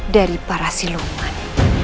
dari para siluman